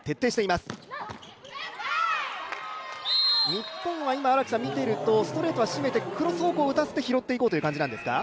日本は見ていると、ストレートは占めてクロス方向を打たせて拾っていこうということなんですか？